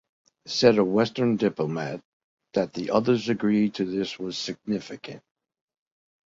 Said a western diplomat, That the others agreed to this was significant.